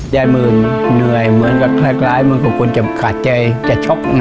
หมื่นเหนื่อยเหมือนกับคล้ายเหมือนกับคนจะขาดใจจะช็อก